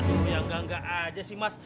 aduh ya nggak nggak aja sih mas